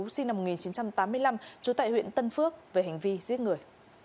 sinh năm một nghìn chín trăm tám mươi năm trú tại huyện tân phước về hành vi giết người